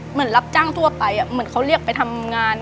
เหมือนรับจ้างทั่วไปเหมือนเขาเรียกไปทำงาน